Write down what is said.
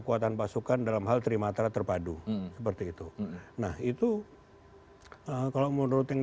kalau kasih aku pastikan